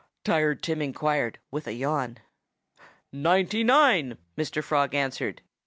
Tired Tim inquired with a yawn. "Ninety nine!" Mr. Frog answered.